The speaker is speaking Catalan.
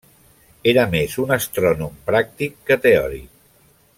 Era més un astrònom pràctic que teòric.